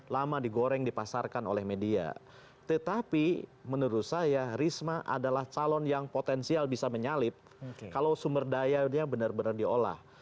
dan juga dia sudah lama dipasarkan oleh media tetapi menurut saya risma adalah calon yang potensial bisa menyalip kalau sumber dayanya benar benar diolah